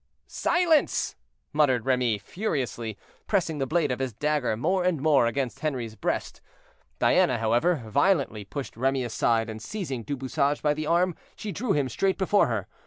"Silence!" muttered Remy, furiously, pressing the blade of his dagger more and more against Henri's breast. Diana, however, violently pushed Remy aside, and seizing Du Bouchage by the arm, she drew him straight before her.